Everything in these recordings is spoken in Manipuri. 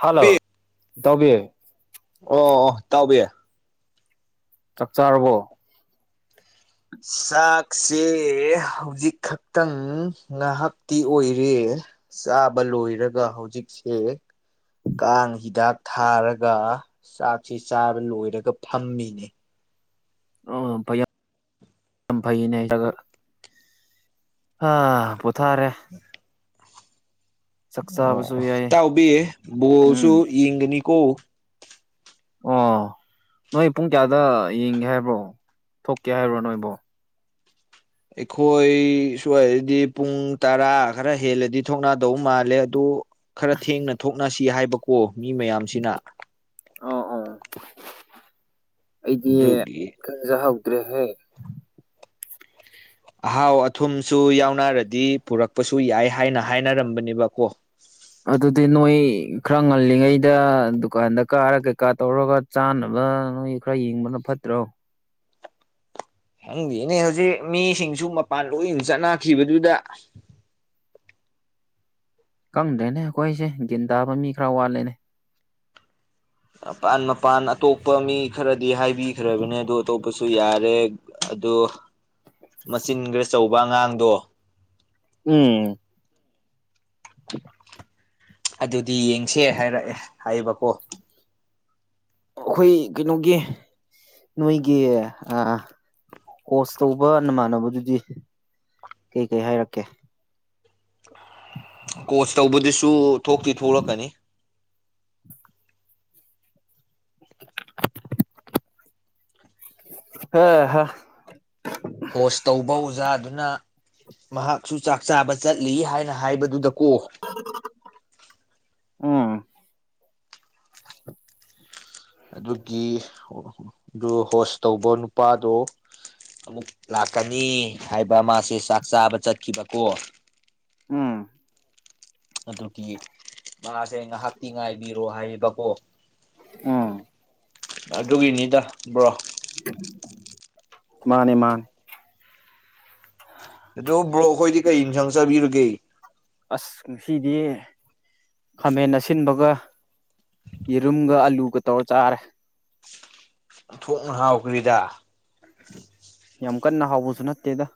ꯍꯜꯂꯣ ꯕꯤ ꯏꯇꯥꯎꯕꯤ ꯑꯣ ꯑꯣ ꯑꯣ ꯏꯇꯥꯎꯕꯤ ꯆꯥꯛ ꯆꯥꯔꯕꯣ ꯆꯥꯛꯁꯦ ꯍꯧꯖꯤꯛꯈꯛꯇꯪ ꯉꯥꯍꯥꯛꯇꯤ ꯑꯣꯏꯔꯦ ꯆꯥꯕ ꯂꯣꯏꯔꯒ ꯍꯧꯖꯤꯛꯁꯦ ꯀꯥꯡ ꯍꯤꯗꯥꯛ ꯊꯥꯔꯒ ꯆꯥꯛꯁꯤ ꯆꯥꯕ ꯂꯣꯏꯔꯒ ꯐꯝꯃꯤꯅꯦ ꯑ ꯐꯩ ꯌꯥꯝ ꯌꯥꯝ ꯐꯩꯅꯦ ꯆꯒ ꯄꯣꯊꯥꯔꯦ [unintelligible] ꯆꯥꯛ ꯑꯣ ꯑꯣ ꯆꯥꯕꯁꯨ ꯌꯥꯏ ꯏꯇꯥꯎꯕꯤ ꯎꯝ ꯕꯣꯜꯁꯨ ꯌꯦꯡꯒꯅꯤꯀꯣ ꯑꯣ ꯅꯣꯏ ꯄꯨꯡ ꯀꯌꯥꯗ ꯌꯦꯡꯒꯦ ꯍꯥꯏꯕ꯭ꯔꯣ ꯊꯣꯛꯀꯦ ꯍꯥꯏꯕ꯭ꯔꯣ ꯅꯣꯏꯕꯣ ꯑꯩꯈꯣꯏ ꯁꯨ ꯍꯥꯏꯔꯗꯤ ꯄꯨꯡ ꯇꯔꯥ ꯈꯔ ꯍꯦꯜꯂꯗꯤ ꯊꯣꯛꯅꯥꯗꯧ ꯃꯥꯜꯂꯦ ꯑꯗꯨ ꯈꯔ ꯊꯦꯡꯅ ꯊꯣꯛꯅꯁꯤ ꯍꯥꯏꯕꯀꯣ ꯃꯤ ꯃꯌꯥꯝꯁꯤꯅ ꯑꯣ ꯑꯣ ꯑꯩꯗꯤ ꯑꯗꯨꯒꯤ ꯈꯖꯍꯧꯗ꯭ꯔꯦꯍꯦ ꯑꯍꯥꯎ ꯑꯊꯨꯝꯁꯨ ꯌꯥꯎꯅꯔꯗꯤ ꯄꯨꯔꯛꯄꯁꯨ ꯌꯥꯏ ꯍꯥꯏꯅ ꯍꯥꯏꯅꯔꯝꯕꯅꯦꯕꯀꯣ ꯑꯗꯨꯗꯤ ꯅꯣꯏ ꯈꯔ ꯉꯜꯂꯤꯉꯩꯗ ꯗꯨꯀꯥꯟꯗ ꯀꯥꯔ ꯀꯩꯀꯥ ꯇꯧꯔꯒ ꯆꯥꯅꯕ ꯅꯣꯏ ꯈꯔ ꯌꯦꯡꯕꯅ ꯐꯠꯇ꯭ꯔꯣ ꯈꯪꯗꯦꯅꯦ ꯍꯧꯖꯤꯛ ꯃꯤꯁꯤꯡꯁꯨ ꯃꯄꯥꯟ ꯂꯣꯏꯟ ꯆꯠꯅꯈꯤꯕꯗꯨꯗ ꯈꯪꯗ‌ꯦꯅꯦ ꯑꯩꯈꯣꯏꯁꯦ ꯒꯤꯟ ꯇꯥꯕ ꯃꯤ ꯈꯔ ꯋꯥꯠꯂꯦꯅꯦ ꯃꯄꯥꯟ ꯃꯄꯥꯟ ꯑꯇꯣꯞꯄ ꯃꯤ ꯈꯔꯗꯤ ꯍꯥꯏꯕꯤꯈ꯭ꯔꯕꯅꯦ ꯑꯗꯨ ꯑꯇꯣꯞꯄꯁꯨ ꯌꯥꯔꯦ ꯑ ꯑꯗ‌ꯣ ꯃꯆꯤꯟ ꯒ꯭ꯔꯆꯧꯕ ꯑꯉꯥꯡꯗꯣ ꯎꯝ [unintelligible] ꯑꯗꯨꯗꯤ ꯌꯦꯡꯁꯦ ꯍꯥꯏꯔꯛꯑꯦ ꯍꯥꯏꯕꯀꯣ ꯑꯩꯈꯣꯏ ꯀꯩꯅꯣꯒꯤ ꯅꯣꯏꯒꯤ ꯑꯥ ꯀꯣꯁ ꯇꯧꯕ ꯅꯃꯥꯟꯅꯕꯗꯨꯗꯤ ꯀꯩ ꯀꯩ ꯍꯥꯏꯔꯛꯀꯦ ꯀꯣꯆ ꯇꯧꯕꯗꯨꯁꯨ ꯊꯣꯛꯇꯤ ꯊꯣꯛꯂꯛꯀꯅꯤ ꯍ‌ꯦꯍꯥ ꯍꯣꯁ ꯇꯧꯕ ꯑꯣꯖꯥꯗꯨꯅ ꯃꯍꯥꯛꯁꯨ ꯆꯥꯛ ꯆꯥꯕ ꯆꯠꯂꯤ ꯍꯥꯏꯅ ꯍꯥꯏꯕꯗꯨꯗ ꯀꯣ [unintelligible] ꯎꯝ ꯑꯗꯨꯒꯤ ꯑꯗꯨ ꯑ ꯍꯣꯁ ꯇꯧꯕ ꯅꯨꯄꯥꯗꯣ ꯑꯃꯨꯛ ꯂꯥꯛꯀꯅꯤ ꯍꯥꯏꯕ ꯃꯥꯁꯦ ꯆꯥꯛ ꯆꯥꯕ ꯆꯠꯈꯤꯕꯀꯣ ꯎꯝ ꯑꯗꯨꯒꯤ ꯃꯥꯁꯦ ꯉꯥꯏꯍꯥꯛꯇꯤ ꯉꯥꯏꯕꯤꯔꯣ ꯍꯥꯏꯌꯦꯕꯀꯣ ꯑꯣ ꯑꯗꯨꯒꯤꯅꯤꯗ ꯕ꯭ꯔꯣ ꯃꯥꯅꯦ ꯃꯥꯅꯦ ꯑꯗꯨ ꯕ꯭ꯔꯣ ꯈꯣꯏꯗꯤ ꯀꯩ ꯏꯟꯁꯥꯡ ꯆꯥꯕꯤꯔꯒꯦ ꯑꯁ ꯉꯁꯤꯗꯤ ꯈꯥꯃꯦꯟ ꯑꯁꯤꯟꯕꯒ ꯌꯦꯔꯨꯝꯒ ꯑꯂꯨꯒ ꯇꯧꯔ ꯆꯥꯔꯦ ꯑꯣꯟꯊꯣꯛꯅ ꯍꯥꯎꯈ꯭ꯔꯤꯗ ꯌꯥꯝ ꯀꯟꯅ ꯍꯥꯎꯕꯁꯨ ꯅꯠꯇꯦꯗ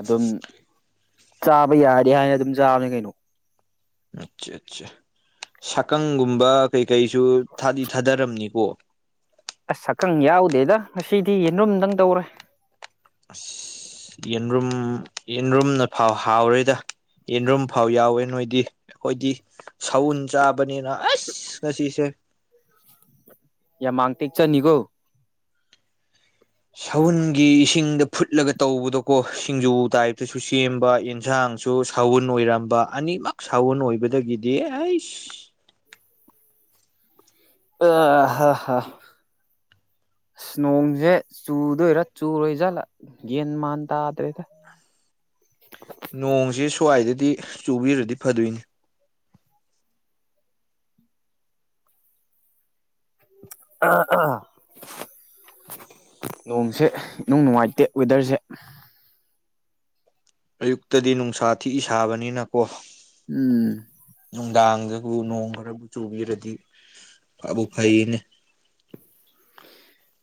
ꯑꯗꯨꯝ ꯆꯥꯕ ꯌꯥꯔꯗꯤ ꯍꯥꯏꯅ ꯑꯗꯨꯝ ꯆꯥꯕꯅꯤ ꯀꯩꯅꯣ ꯑꯠꯆꯥ ꯆꯥ ꯁꯥꯛꯀꯪꯒꯨꯝꯕ ꯀꯩ ꯀꯩꯁꯨ ꯊꯥꯗꯤ ꯊꯥꯗꯔꯝꯅꯤꯀꯣ ꯑꯁ ꯁꯛꯈꯪ ꯌꯥꯎꯗꯦꯗ ꯉꯁꯤꯗꯤ ꯌꯦꯟꯔꯨꯝꯗꯪ ꯇꯧꯔꯦ ꯑꯁ ꯑꯖ ꯌꯦꯟꯔꯨꯝ ꯌꯦꯟꯔꯨꯝꯅ ꯐꯥꯎ ꯍꯥꯎꯔꯦꯗ ꯌꯦꯟꯔꯨꯝ ꯐꯥꯎ ꯌꯥꯎꯋꯦ ꯅꯣꯏꯗꯤ ꯑꯩꯈꯣꯏꯗꯤ ꯁꯥꯎꯟ ꯆꯥꯕꯅꯤꯅ ꯑꯁ ꯉꯁꯤꯁꯦ ꯌꯥꯃꯥꯡ ꯇꯦꯛꯆꯅꯤꯒꯣ ꯁꯎꯟꯒꯤ ꯏꯁꯤꯡꯗ ꯐꯨꯠꯂꯒ ꯇꯧꯕꯗꯣꯀꯣ ꯁꯤꯡꯖꯨ ꯇꯥꯏꯞꯇꯁꯨ ꯁꯦꯝꯕ ꯌꯦꯟꯁꯥꯡ ꯁꯨ ꯁꯥꯎꯟ ꯑꯣꯏꯔꯝꯕ ꯑꯅꯤꯃꯛ ꯁꯥꯎꯟ ꯑꯣꯏꯕꯗꯒꯤꯗꯤ ꯑꯩꯆ ꯑ ꯍꯥ ꯍꯥ ꯑꯖ ꯅꯣꯡꯁꯦ ꯆꯨꯗꯣꯏꯔꯥ ꯆꯨꯔꯣꯏꯖꯠꯂꯥ ꯒꯤꯌꯥꯟ ꯃꯥꯟ ꯇꯥꯗ꯭ꯔꯦꯗ ꯅꯣꯡꯁꯤ ꯁ꯭ꯋꯥꯏꯗꯗꯤ ꯆꯨꯕꯤꯔꯗꯤ ꯐꯗꯣꯏꯅꯤ ꯑꯥ ꯑꯥ ꯅ‌ꯣꯡꯁꯦ ꯏꯅꯨꯡ ꯅꯨꯡꯉꯥꯏꯇꯦ ꯋꯦꯗꯔꯁꯦ ꯑꯌꯨꯛꯇꯗꯤ ꯅꯨꯡꯁꯥ ꯊꯤ ꯁꯥꯕꯅꯤꯅꯀꯣ ꯎꯝ ꯅꯨꯡꯗꯥꯡꯗꯕꯨ ꯅꯣꯡ ꯈꯔꯕꯨ ꯆꯨꯕꯤꯔꯗꯤ ꯐꯥꯕꯨ ꯐꯩꯌꯦꯅꯦ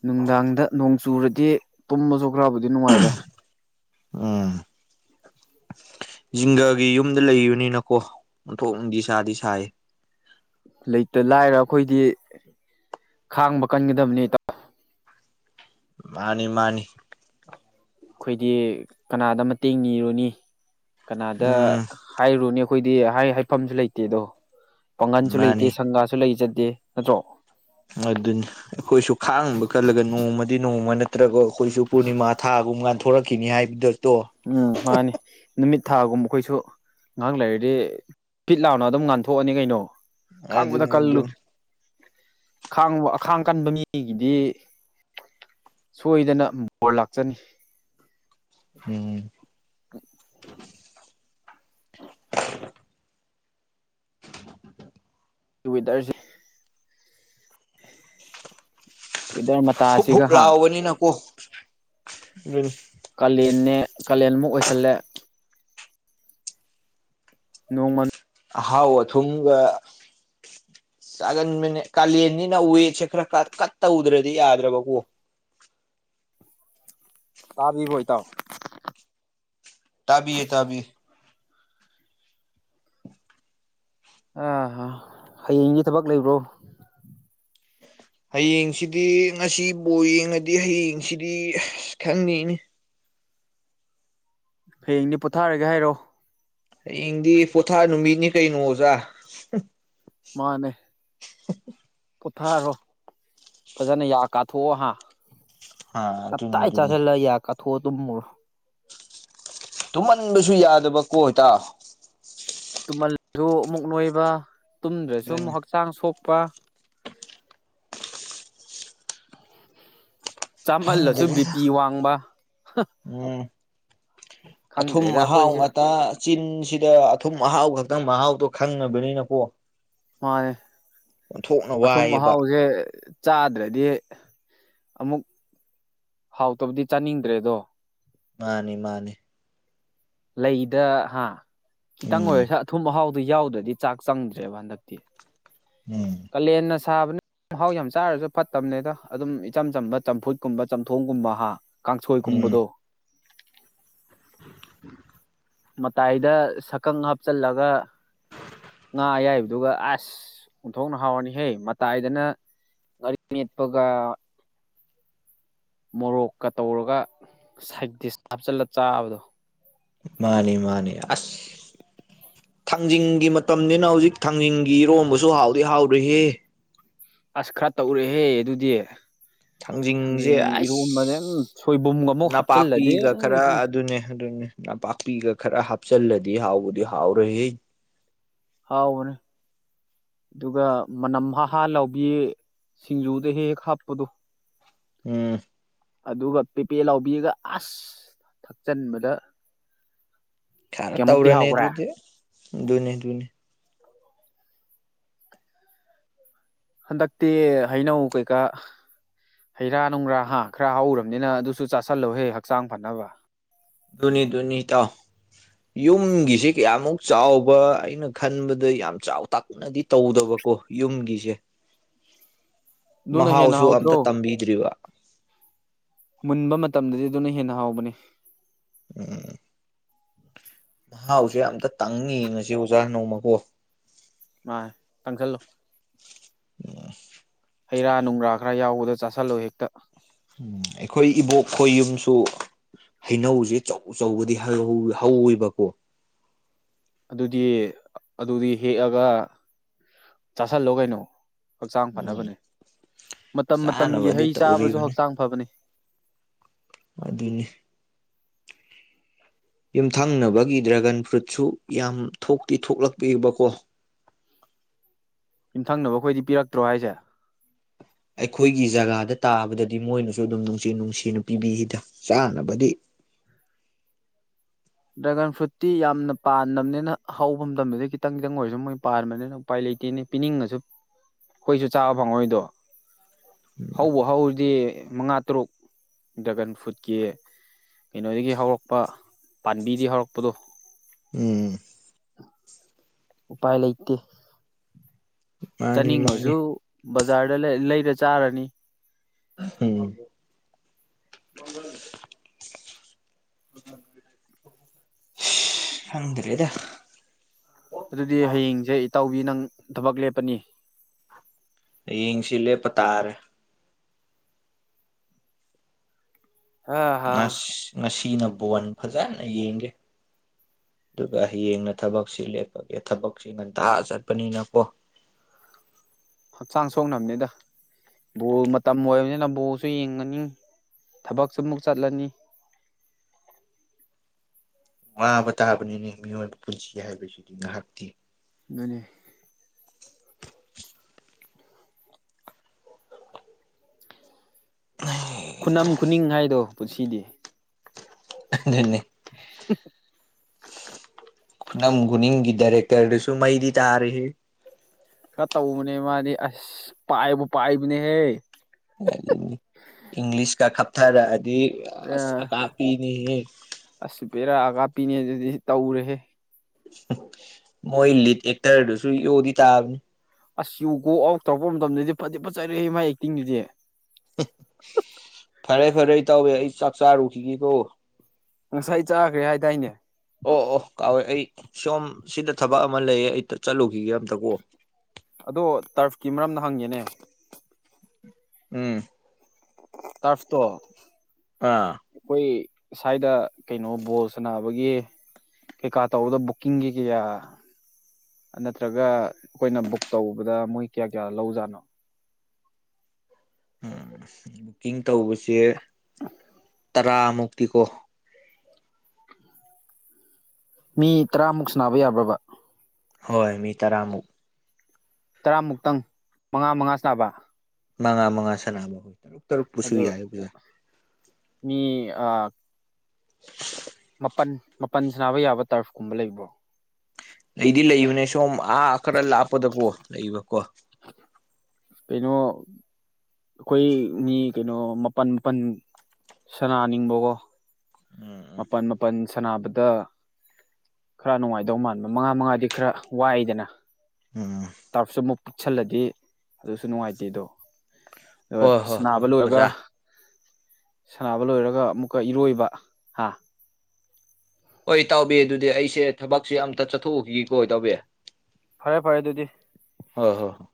ꯅꯨꯡꯗꯥꯡꯗ ꯅꯣꯡ ꯆꯨꯔꯗꯤ ꯇꯨꯝꯕꯖꯨ ꯈ꯭ꯔꯕꯨꯗꯤ ꯅꯨꯡꯉꯥꯏꯔꯦ [inaudible] ꯖꯤꯡꯒꯥꯒꯤ ꯌꯨꯝꯗ ꯂꯩꯕꯅꯤꯅꯀꯣ ꯑꯣꯟꯊꯣꯛ ꯅꯨꯡꯗꯤ ꯁꯥꯥꯗꯤ ꯁꯥꯏ ꯂꯩꯇ ꯂꯥꯏꯔ ꯑꯈꯣꯏꯗꯤ ꯈꯥꯡꯕ ꯀꯟꯒꯗꯕꯅꯦ ꯏꯇꯥ ꯃꯥꯅꯤ ꯃꯥꯅꯤ ꯈꯣꯏꯗꯤ ꯀꯅꯥꯗ ꯃꯇꯦꯡ ꯅꯤꯔꯨꯅꯤ ꯀꯅꯥꯗ ꯎꯝ ꯍꯥꯏꯔꯨꯅꯤ ꯈꯣꯏꯗꯦ ꯃꯥꯅꯤ ꯑꯗꯨꯅꯤ ꯑꯩꯈꯣꯏꯁꯨ ꯈꯥꯡꯕ ꯀꯜꯂꯒ ꯅꯣꯡꯃꯗꯤ ꯅꯣꯡꯃ ꯅꯠꯇ꯭ꯔꯒꯣ ꯈꯣꯏꯁꯨ ꯄꯨꯔꯅꯤꯃꯥ ꯊꯥꯒꯨꯝ ꯉꯥꯟꯊꯣꯔꯛꯈꯤꯅꯤ ꯍꯥꯏꯕꯗꯨ ꯎꯝ ꯃꯥꯅꯤ ꯅꯨꯃꯤꯠ ꯊꯥꯒꯨꯝꯕ ꯈꯣꯏꯁꯨ ꯉꯍꯥꯛ ꯂꯩꯔꯗꯤ ꯐꯤꯠ ꯂꯥꯎꯅ ꯑꯗꯨꯝ ꯉꯥꯟꯊꯣꯛꯑꯅꯤ ꯀꯩꯅꯣ ꯈꯥꯡꯕꯗ ꯑꯗꯨꯅꯤ ꯀꯜꯂꯨ ꯑꯗꯨꯅꯤ ꯈꯥꯡꯕ ꯑꯈꯥꯡ ꯀꯟꯕ ꯃꯤꯒꯤꯗꯤ ꯁꯣꯏꯗꯅ ꯕꯣꯔ ꯂꯥꯛꯆꯅꯤ ꯎꯝ [inaudible] ꯇ꯭ꯋꯤ ꯋꯦꯗꯔꯖꯦ ꯋꯦꯗꯔ ꯍꯨꯞ ꯃꯇꯥꯁꯤꯒ ꯍꯨꯞ ꯍꯥ ꯂꯥꯎꯕꯅꯤꯅꯀꯣ ꯎꯝ ꯀꯂꯦꯟꯅꯦ ꯀꯂꯦꯟꯃꯨꯛ ꯑꯣꯏꯁꯜꯂꯦ ꯅꯣꯡꯃꯟ ꯑꯍꯥꯎ ꯑꯊꯨꯝꯒ ꯆꯥꯒꯟꯕꯅꯦ ꯀꯥꯂꯦꯟꯅꯤꯅ ꯋꯦꯠꯁꯦ ꯈꯔ ꯈꯥꯠ ꯈꯥꯠ ꯇꯧꯗ꯭ꯔꯗꯤ ꯌꯥꯗ꯭ꯔꯕꯀꯣ ꯇꯥꯕꯤꯕ꯭ꯔꯣ ꯏꯇꯥꯎ ꯇꯥꯕꯤꯌꯦ ꯇꯥꯕꯤ ꯑ ꯍꯌꯦꯡꯒꯤ ꯊꯕꯛ ꯂꯩꯕ꯭ꯔꯣ ꯍꯌꯦꯡꯁꯤꯗꯤ ꯉꯁꯤ ꯕꯨ ꯍꯌꯦꯡꯗꯤ ꯄꯣꯊꯥꯔꯒꯦ ꯍꯥꯏꯔꯣ ꯍꯌꯦꯡꯗꯤ ꯄꯣꯊꯥ ꯅꯨꯃꯤꯠꯅꯤ ꯀꯩꯅꯣ ꯑꯣꯖꯥ ꯃꯥꯅꯦ [inaudible] ꯄꯣꯊꯥꯔꯣ ꯐꯖꯅ ꯌꯥ ꯀꯥꯊꯣꯛꯑꯣ ꯍꯥ ꯑꯥ ꯇꯥꯏꯞ ꯑꯗꯨꯅꯤ ꯇꯥꯏ ꯑꯗꯨꯅꯤ ꯆꯥꯒꯜꯂ ꯌꯥ ꯀꯊꯣꯛꯑ ꯇꯨꯝꯃꯨꯔꯣ ꯇꯨꯝꯃꯟꯕꯁꯨ ꯌꯥꯗꯕ ꯀꯣ ꯏꯇꯥ ꯇꯨꯝꯃꯜꯖꯨ ꯑꯃꯨꯛ ꯅꯣꯏꯕ ꯇꯨꯝꯗ꯭ꯔꯁꯨ ꯑꯃꯨꯛ ꯑꯗꯨꯅꯤ ꯍꯛꯆꯥꯡ ꯁꯣꯛꯄ ꯆꯥꯃꯜꯂꯁꯨ ꯕꯤ ꯈꯪꯗꯔꯦꯗ ꯄꯤ ꯋꯥꯡꯕ ꯎꯝ ꯑꯊꯨꯝ ꯈꯪꯗ꯭ꯔꯦꯗ ꯑꯍꯥꯎ ꯑꯩꯈꯣꯏꯁꯦ ꯉꯥꯠꯇ ꯆꯤꯟꯁꯤꯗ ꯑꯊꯨꯝ ꯑꯍꯥꯎ ꯈꯛꯇꯪ ꯃꯍꯥꯎꯗꯣ ꯈꯪꯉꯕꯅꯤꯅꯀꯣ ꯃꯥꯅꯦ ꯑꯊꯨꯝ ꯋꯥꯏꯑꯦꯕ ꯑꯍꯥꯎꯖꯦ ꯆꯥꯗ꯭ꯔꯗꯤ ꯑꯃꯨꯛ ꯍꯥꯎꯇꯕꯗꯤ ꯆꯥꯅꯤꯡꯗ꯭ꯔꯦꯗꯣ ꯃꯥꯅꯤ ꯃꯥꯅꯤ ꯂꯩꯗ ꯍꯥ ꯈꯤꯇꯪ ꯎꯝ ꯑꯣꯏꯔꯁꯨ ꯑꯊꯨꯝ ꯑꯍꯥꯎꯗꯣ ꯌꯥꯎꯗ꯭ꯔꯗꯤ ꯆꯥꯛ ꯆꯪꯗ꯭ꯔꯦꯕ ꯍꯟꯗꯛꯇꯤ ꯎꯝ ꯀꯂꯦꯟꯅ ꯁꯥꯥꯕꯅ ꯎꯝ ꯍꯥꯎ ꯌꯥꯝ ꯆꯥꯔꯖꯨ ꯐꯠꯇꯕꯅꯦꯗ ꯑꯗꯨꯝ ꯏꯆꯝ ꯆꯝꯕ ꯆꯝꯐꯨꯠꯀꯨꯝꯕ ꯆꯝꯊꯣꯡꯒꯨꯝꯕ ꯍꯥ ꯎꯝ ꯀꯥꯡꯁꯣꯏꯒꯨꯝꯕꯗꯣ [inaudible] ꯃꯇꯥꯏꯗ ꯁꯛꯀꯪ ꯍꯥꯞꯆꯜꯂꯒ ꯉꯥ ꯑꯌꯥꯏꯕꯗꯨꯒ ꯑꯁ ꯑꯣꯟꯊꯣꯛꯅ ꯍꯥꯎꯔꯅꯤꯍꯦ ꯃꯇꯥꯏꯗꯅ ꯉꯔꯤ ꯃꯦꯠꯄꯒ ꯃꯣꯔꯣꯛꯀ ꯇꯧꯔꯒ ꯁꯥꯏꯇꯤꯁ ꯍꯥꯞꯆꯤꯜꯂ ꯆꯥꯕꯗꯣ ꯃꯥꯅꯤ ꯃꯥꯅꯤ ꯑꯁ ꯊꯥꯡꯖꯤꯡꯒꯤ ꯃꯇꯝꯅꯤꯅ ꯍꯧꯖꯤꯛ ꯊꯥꯡꯖꯤꯡꯒꯤ ꯏꯔꯣꯝꯕꯁꯨ ꯍꯥꯎꯗꯤ ꯍꯥꯎꯔꯤꯌꯦ ꯑꯁ ꯈꯔ ꯇꯧꯔꯦꯍꯦ ꯑꯗꯨꯗꯤ ꯊꯥꯡꯖꯤꯡꯁꯦ ꯊꯥꯡꯖꯤꯡ ꯑꯁ ꯏꯔꯣꯝꯕꯗ ꯎꯝ ꯁꯣꯏꯕꯨꯝꯒ ꯑꯃꯨꯛ ꯍꯥꯞꯆꯤꯜꯂꯗꯤ ꯅꯄꯥꯛꯄꯤꯒ ꯎꯝ ꯈꯔ ꯎꯝ ꯑꯗꯨꯅꯦ ꯑꯗꯨꯅꯦ ꯅꯄꯥꯛꯄꯤꯒ ꯈꯔ ꯍꯥꯞꯆꯜꯂꯗꯤ ꯍꯥꯎꯕꯗꯤ ꯍꯥꯎꯔꯍ ꯍꯥꯎꯕꯥꯅꯦ ꯑꯗꯨꯒ ꯃꯅꯝ ꯍꯥꯍꯥ ꯂꯥꯎꯕꯤꯌꯦ ꯁꯤꯡꯖꯨꯗ ꯍꯦꯛ ꯍꯦꯛ ꯍꯥꯞꯄꯗꯣ ꯎꯝ ꯑꯗꯨꯒ ꯄꯦꯄꯦ ꯂꯥꯎꯕꯤꯔꯒ ꯑꯁ ꯊꯛꯆꯟꯕꯗ ꯈꯔ ꯀꯌꯥꯃꯨꯛꯇꯤ ꯇꯧꯔꯅꯤ ꯍꯥꯎꯈ꯭ꯔꯦ ꯑꯗꯨꯗꯤ ꯑꯗꯨꯅꯤ ꯑꯗꯨꯅꯤ ꯍꯟꯗꯛꯇꯤ ꯍꯩꯅꯧ ꯀꯩꯀꯥ ꯍꯩ ꯔꯥ ꯅꯨꯡꯒ꯭ꯔꯥ ꯍꯥ ꯈꯔ ꯍꯧꯔꯕꯅꯤꯅ ꯑꯗꯨꯁꯨ ꯆꯥꯥꯁꯜꯂꯣꯍꯦ ꯍꯛꯆꯥꯡ ꯐꯅꯕ ꯨꯗꯨꯅꯤ ꯗꯨꯅꯤ ꯏꯇꯥꯎ ꯌꯨꯝꯒꯤꯁꯤ ꯀꯌꯥꯃꯨꯛ ꯆꯥꯎꯕ ꯑꯩꯅ ꯈꯟꯕꯗ ꯌꯥꯝ ꯆꯥꯎ ꯇꯥꯛꯄ ꯅꯗꯤ ꯇꯧꯗꯕꯀꯣ ꯌꯨꯝꯒꯤꯁꯦ ꯑꯗꯨꯅ ꯍꯦꯟꯅ ꯃꯍꯥꯎꯁꯨ ꯍꯥꯎꯗ꯭ꯔꯣ ꯑꯝꯇ ꯇꯝꯕꯤꯗ꯭ꯔꯤꯕ ꯃꯨꯟꯕ ꯃꯇꯝꯗꯗꯤ ꯑꯗꯨꯅ ꯍꯦꯟꯅ ꯍꯥꯎꯕꯅꯤ ꯎꯝ ꯅꯥꯎꯁꯦ ꯌꯥꯝꯇ ꯇꯪꯉꯤ ꯉꯁꯤ ꯑꯣꯖꯥ ꯅꯣꯡꯃꯀꯣ ꯃꯥ ꯇꯪꯁꯥꯜꯂꯨ ꯍꯩ ꯔꯥ ꯅꯨꯡꯒ꯭ꯔꯥ ꯈꯔ ꯌꯥꯎꯕꯗ ꯆꯥꯥꯁꯜꯂꯣ ꯍꯦꯛꯇ ꯑꯩꯈꯣꯏ ꯏꯕꯣꯛꯈꯣꯏ ꯌꯨꯝꯁꯨ ꯍꯩꯅꯧꯁꯦ ꯑꯆꯧ ꯑꯆꯧꯕꯗꯤ ꯍꯧꯋꯦꯕꯀꯣ ꯑꯗꯨꯗꯤ ꯑꯗꯨꯗꯤ ꯍꯦꯛꯑꯒ ꯆꯥꯥꯁꯜꯂꯣ ꯀꯩꯅꯣ ꯍꯛꯆꯥꯡ ꯎꯝ ꯐꯅꯕꯅꯦ ꯃꯇꯝ ꯃꯇꯝꯒꯤ ꯍꯩ ꯆꯥꯅꯕꯗꯤ ꯆꯥꯕꯁꯨ ꯇꯧꯔꯤꯕꯅꯤ ꯍꯛꯆꯥꯡ ꯐꯕꯅꯤ ꯑꯗꯨꯅꯦ ꯌꯨꯝꯊꯪꯅꯕꯒꯤ ꯗ꯭ꯔꯦꯒꯟ ꯐ꯭ꯔꯨꯠꯁꯨ ꯌꯥꯝ ꯊꯣꯛꯇꯤ ꯊꯣꯛꯂꯛꯄꯤꯕꯀꯣ ꯌꯨꯝꯊꯪꯅꯕꯈꯣꯏꯗꯤ ꯄꯤꯔꯛꯇ꯭ꯔꯣ ꯍꯥꯏꯁꯦ ꯑꯩꯈꯣꯏꯒꯤ ꯖꯒꯥꯗ ꯇꯥꯕꯗꯗꯤ ꯃꯣꯏꯅꯁꯨ ꯑꯗꯨꯝ ꯅꯨꯡꯁꯤ ꯅꯨꯡꯁꯤꯅ ꯄꯤꯕꯤꯈꯤꯗ ꯆꯥꯅꯕꯗꯤ ꯗ꯭ꯔꯦꯒꯟ ꯐ꯭ꯔꯨꯠꯇꯤ ꯌꯥꯝꯅ ꯄꯥꯟꯅꯤꯅ ꯍꯧꯕ ꯃꯇꯝꯗꯗꯤ ꯈꯤꯇꯪ ꯈꯤꯇꯪ ꯑꯣꯏꯔꯁꯨ ꯃꯣꯏ ꯄꯥꯟꯕꯅꯤꯅ ꯎꯄꯥꯏ ꯂꯩꯇꯦꯅꯦ ꯄꯤꯅꯤꯡꯉꯁꯨ ꯑꯩꯈꯣꯏꯁꯨ ꯆꯥꯕ ꯐꯪꯉꯣꯏꯗꯣ ꯍꯧꯕ ꯍꯧꯗꯤ ꯃꯉꯥ ꯇꯔꯨꯛ ꯗ꯭ꯔꯒꯟ ꯐ꯭ꯔꯨꯗꯀꯤ ꯀꯩꯅꯣꯗꯒꯤ ꯍꯧꯔꯛꯄ ꯄꯥꯟꯕꯤꯗꯤ ꯍꯧꯔꯛꯄꯗꯣ ꯎꯝ ꯎꯄꯥꯏ ꯂꯩꯇꯦ ꯃꯥꯅꯤ ꯃꯥꯅꯤ ꯆꯥꯅꯤꯡꯉꯁꯨ ꯕꯖꯥꯔꯗ ꯂꯩꯔ ꯆꯥꯔꯅꯤ ꯎꯝ ꯃꯪꯒꯥꯜ ꯈꯪꯗ꯭ꯔꯦꯗ ꯑꯗꯨꯗꯤ ꯍꯌꯦꯡꯖꯦ ꯏꯇꯥꯎꯕꯤ ꯅꯪ ꯊꯕꯛ ꯂꯦꯞꯄꯅꯤ ꯍꯌꯦꯡꯁꯤ ꯂꯦꯞꯄ ꯇꯥꯔꯦ ꯑ ꯍꯥ ꯉꯁ ꯉꯁꯤꯅ ꯕꯣꯟ ꯐꯖꯥꯅ ꯌꯦꯡꯒꯦ ꯑꯗꯨꯒ ꯍꯌꯦꯡꯅ ꯊꯕꯛꯁꯤ ꯂꯦꯞꯄꯒꯦ ꯊꯕꯛꯁꯤ ꯉꯟꯇꯥ ꯆꯠꯄꯅꯤꯅꯀꯣ ꯍꯛꯆꯥꯡ ꯁꯣꯛꯅꯝꯅꯦꯗ ꯕꯣꯜ ꯃꯇꯝ ꯑꯣꯏꯕꯅꯤꯅ ꯕꯣꯜꯁꯨ ꯌꯦꯡꯉꯅꯤ ꯊꯕꯛꯁꯨ ꯑꯃꯨꯛ ꯆꯠꯂꯅꯤ ꯋꯥꯕ ꯇꯥꯕꯅꯤꯅꯦ ꯃꯤꯑꯣꯏꯕ ꯄꯨꯟꯁꯤ ꯍꯥꯏꯕꯁꯤꯗꯤ ꯅꯍꯥꯛꯇꯤ ꯑꯗꯨꯅꯦ ꯅꯍꯤ ꯈꯨꯅꯝ ꯈꯨꯅꯤꯡ ꯍꯥꯏꯗꯣ ꯄꯨꯟꯁꯤꯗꯤ ꯑꯗꯨꯅꯤ [inaudible] ꯈꯨꯅꯝ ꯈꯨꯅꯤꯡꯒꯤ ꯗꯥꯏꯔꯦꯛꯇꯔꯗꯨꯁꯨ ꯃꯩꯗꯤ ꯇꯥꯔꯤꯍꯦ ꯈꯔ ꯇꯧꯕꯅꯦ ꯃꯥꯗꯤ ꯑꯁ ꯄꯥꯏꯕꯨ ꯄꯥꯏꯕꯅꯦꯍꯦ ꯏꯪꯂꯤꯁ ꯀ ꯈꯞꯊꯔꯛꯑꯗꯤ ꯑꯁ ꯑꯀꯥꯞꯄꯤꯅꯤꯍꯦ ꯑꯁ ꯕꯦꯔꯥ ꯑꯀꯥꯞꯄꯤꯅꯦꯍꯦ ꯑꯗꯨꯗꯤ ꯇꯧꯔꯦꯍꯦ ꯃꯣꯏ ꯂꯤꯠ ꯑꯦꯛꯇꯔꯗꯨꯁꯨ ꯌꯣꯗꯤ ꯇꯥꯕꯅꯤ ꯑꯁ ꯌꯨ ꯒꯣ ꯑꯥꯎꯠ ꯇꯧꯔꯛꯄ ꯃꯇꯝꯗꯗꯤ ꯐꯗꯤ ꯐꯠꯖꯔꯦꯍꯦ ꯃꯥꯥꯏ ꯑꯦꯛꯇꯤꯡꯗꯨꯗꯤ ꯐꯔꯦ ꯐꯔꯦ ꯏꯇꯥꯎꯕꯤ ꯑꯩ ꯆꯥꯛ ꯆꯥꯔꯨꯈꯤꯒꯦꯀꯣ ꯉꯁꯥꯏ ꯆꯥꯈ꯭ꯔꯦ ꯍꯥꯏꯗꯥꯏꯅꯦ ꯑꯣ ꯑꯣ ꯀꯥꯎꯋꯦ ꯑꯩ ꯁꯣꯝ ꯁꯤꯗ ꯊꯕꯛ ꯑꯃ ꯂꯩꯌꯦ ꯑꯩꯇ ꯆꯠꯂꯨꯈꯤꯒꯦ ꯑꯝꯇ ꯀꯣ ꯑꯗꯣ ꯇꯔꯐꯀꯤ ꯃꯔꯝꯅ ꯍꯪꯉꯦꯅꯦ ꯎꯝ ꯇ꯭ꯔꯐꯇꯣ ꯑꯥ ꯑꯩꯈꯣꯏ ꯁꯥꯏꯗ ꯀꯩꯅꯣ ꯕꯣꯜ ꯁꯅꯥꯕꯒꯤ ꯀꯩꯀꯥ ꯇꯧꯕꯗꯣ ꯕꯨꯀꯤꯡꯒꯤ ꯀꯌꯥ ꯑꯥ ꯅꯠꯇ꯭ꯔꯒ ꯑꯩꯈꯣꯏꯅ ꯕꯨꯛ ꯇꯧꯕꯗ ꯃꯣꯏ ꯀꯌꯥ ꯀꯌꯥ ꯂꯧꯖꯥꯠꯅꯣ ꯎꯝ ꯕꯨꯛꯀꯤꯡ ꯇꯧꯕꯁꯦ [inaudible] ꯇꯔꯥꯃꯨꯛꯇꯤ ꯀꯣ ꯃꯤ ꯇꯔꯥꯃꯨꯛ ꯁꯅꯥꯕ ꯌꯥꯕ꯭ꯔꯕ ꯍꯣꯏ ꯃꯤ ꯇꯔꯥꯃꯨꯛ ꯇꯔꯥꯃꯨꯛꯇꯪ ꯃꯉꯥ ꯃꯉꯥ ꯁꯥꯕ ꯃꯉꯥ ꯃꯉꯥ ꯁꯅꯥꯕ ꯇꯔꯨꯛ ꯇꯔꯨꯛ ꯄꯨꯨꯁꯨ ꯑꯗꯨ ꯌꯥꯏꯌꯦꯕ ꯃꯤ ꯑꯥ [unintelligible] ꯃꯥꯄꯟ ꯃꯥꯄꯟ ꯁꯅꯥꯕ ꯌꯥꯕ ꯇꯔꯐꯀꯨꯝꯕ ꯂꯩꯕ꯭ꯔꯣ ꯂꯩꯗꯤ ꯂꯩꯕꯅꯦ ꯁꯣꯝ ꯑꯥ ꯈꯔ ꯂꯥꯞꯄꯗꯀꯣ ꯂꯩꯕꯀꯣ ꯀꯩꯅꯣ ꯑꯩꯈꯣꯏ ꯃꯤ ꯀꯩꯅꯣ ꯃꯥꯄꯟ ꯃꯥꯄꯟ ꯁꯅꯥꯅꯤꯡꯕꯀꯣ ꯎꯝ ꯎꯝ ꯃꯥꯄꯟ ꯃꯥꯄꯟ ꯁꯥꯟꯅꯕꯗ ꯈꯔ ꯅꯨꯡꯉꯥꯏꯗꯧ ꯃꯥꯟꯕ ꯃꯉꯥ ꯃꯉꯥꯗꯤ ꯈꯔ ꯋꯥꯏꯗꯅ ꯑ ꯇꯥꯔꯞꯁꯨ ꯑꯃꯨꯛ ꯄꯤꯛꯁꯜꯂꯗꯤ ꯑꯗꯨꯁꯨ ꯅꯨꯡꯉꯥꯏꯇꯦ ꯑꯗꯣ ꯑ ꯍꯣꯏ ꯍꯣꯏ ꯍꯣꯏ ꯁꯅꯥꯕꯂꯣꯔꯒ ꯑꯣꯖꯥ ꯁꯅꯕ ꯂꯣꯏꯔꯒ ꯑꯃꯨꯛꯀ ꯏꯔꯣꯏꯕ ꯍꯥ ꯍꯣꯏ ꯇꯧꯕꯤꯦ ꯑꯗꯨꯗꯤ ꯑꯩꯁꯦ ꯊꯕꯛꯁꯦ ꯑꯝꯇ ꯆꯠꯊꯣꯛꯎꯈꯤꯒꯀꯣ ꯇꯧꯕꯋ ꯐꯔꯦ ꯐꯔꯦ ꯑꯗꯨꯗꯤ ꯍ ꯍꯣ ꯍ